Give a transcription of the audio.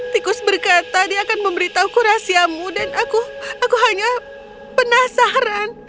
tikus berkata dia akan memberitahu aku rahasiamu dan aku hanya penasaran